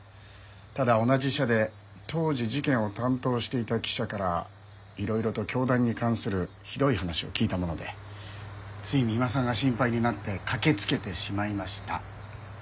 ただ同じ社で当時事件を担当していた記者からいろいろと教団に関するひどい話を聞いたものでつい三馬さんが心配になって駆けつけてしまいました。